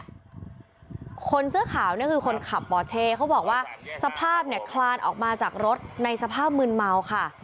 คนเสื้อขาวเนี่ยคือคนขับปอเช่เขาบอกว่าสภาพเนี่ยคลานออกมาจากรถในสภาพมืนเมาค่ะ